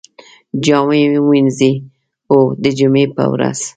جامی ومینځئ؟ هو، د جمعې په ورځ